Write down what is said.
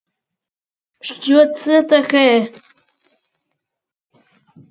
Випили потім по чарці наливки, а більше пляшок не приносили.